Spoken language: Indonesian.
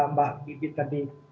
mbak bibit tadi